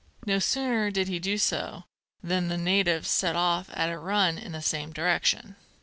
No sooner did he do so than the natives set off at a run in the same direction.